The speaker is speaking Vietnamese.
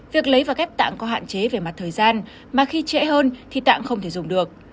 việc lấy và ghép tạng có hạn chế về mặt thời gian mà khi trễ hơn thì tạng không thể dùng được